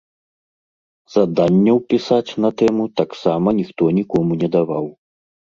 Заданняў пісаць на тэму таксама ніхто нікому не даваў.